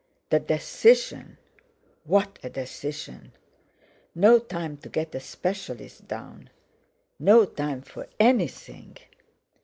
The decision! What a decision! No time to get a specialist down! No time for anything!